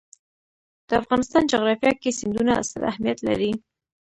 د افغانستان جغرافیه کې سیندونه ستر اهمیت لري.